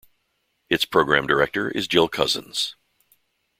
Its programme director is Jill Cousins.